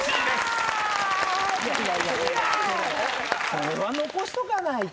それは残しとかないと。